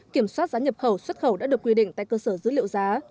kiểm soát giá nhập khẩu xuất khẩu đã được quy định tại cơ sở dữ liệu giá